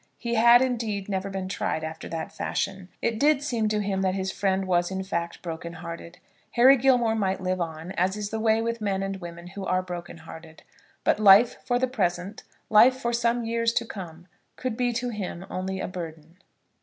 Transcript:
He had, indeed, never been tried after that fashion. It did seem to him that his friend was in fact broken hearted. Harry Gilmore might live on, as is the way with men and women who are broken hearted; but life for the present, life for some years to come, could be to him only a burden.